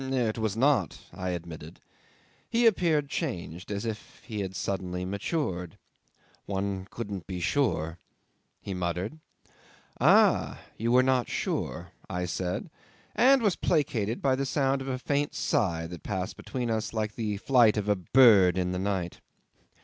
'"It was not," I admitted. He appeared changed, as if he had suddenly matured. '"One couldn't be sure," he muttered. '"Ah! You were not sure," I said, and was placated by the sound of a faint sigh that passed between us like the flight of a bird in the night.